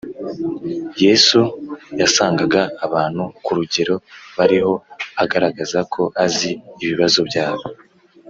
yesu yasangaga abantu ku rugero bariho, agaragaza ko azi ibibazo byabo